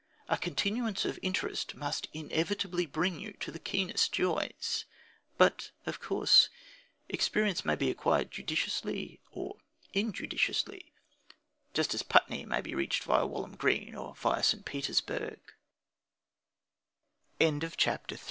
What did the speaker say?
A continuance of interest must inevitably bring you to the keenest joys. But, of course, experience may be acquired judiciously or injudiciously, just as Putney may be reached via Walham Green or via St.